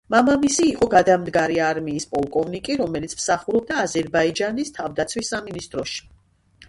მამამისი იყო გადამდგარი არმიის პოლკოვნიკი, რომელიც მსახურობდა აზერბაიჯანის თავდაცვის სამინისტროში.